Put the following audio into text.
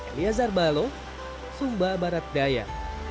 elia zarbalo sumba barat daya